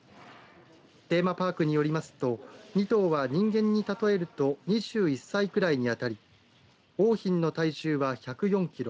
テーマパークによりますと２頭は人間に例えると２１歳くらいにあたり桜浜の体重は１０４キロ